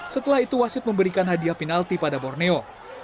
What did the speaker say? setelah itu wasit memberikan hadiah penalti pada borneo